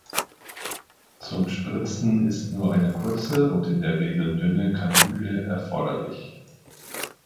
Zum Spritzen ist nur eine kurze und in der Regel dünne Kanüle erforderlich.